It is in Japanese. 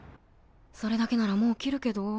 それだけならもう切るけど。